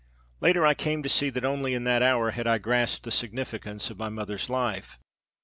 Later I came to see that only in that hour had I grasped the significance of my mother's life.